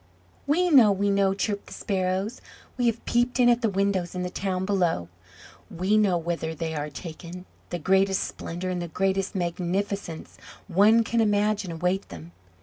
"We know! we know!" chirped the Sparrows. "We have peeped in at the windows in the town below! We know whither they are taken! The greatest splendour and the greatest magnificence one can imagine await them.